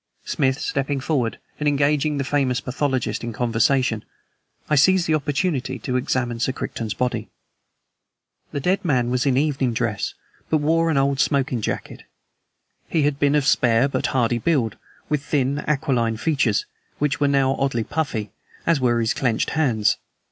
Smith stepping forward and engaging the famous pathologist in conversation, I seized the opportunity to examine Sir Crichton's body. The dead man was in evening dress, but wore an old smoking jacket. He had been of spare but hardy build, with thin, aquiline features, which now were oddly puffy, as were his clenched hands.